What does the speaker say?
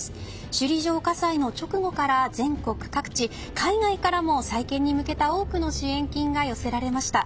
首里城火災の直後から全国各地海外からも再建に向けた多くの支援金が寄せられました。